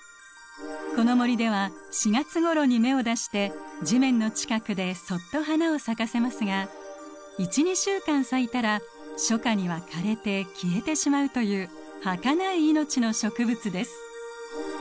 この森では４月ごろに芽を出して地面の近くでそっと花を咲かせますが１２週間咲いたら初夏には枯れて消えてしまうというはかない命の植物です。